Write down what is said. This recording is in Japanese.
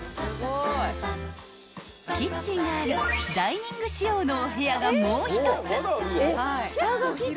［キッチンがあるダイニング仕様のお部屋がもう一つ］